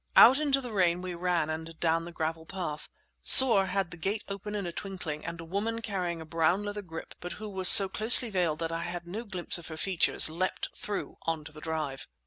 Out into the rain we ran and down the gravel path. Soar had the gate open in a twinkling, and a woman carrying a brown leather grip, but who was so closely veiled that I had no glimpse of her features, leapt through on to the drive.